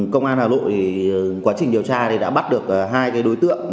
công an hà nội quá trình điều tra thì đã bắt được hai cái đối tượng